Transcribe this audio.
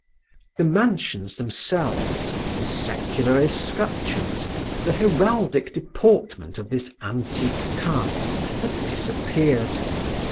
The mansions themselves, the secular escutcheons, the heraldic deportment of this antique caste had disappeared.